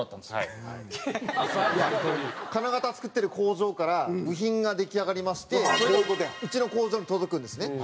金型作ってる工場から部品が出来上がりましてうちの工場に届くんですね。